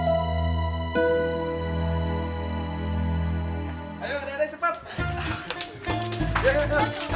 ayo adek adek cepat